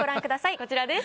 こちらです。